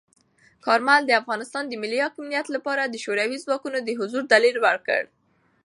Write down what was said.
کارمل د افغانستان د ملی حاکمیت لپاره د شوروي ځواکونو د حضور دلیل ورکړ.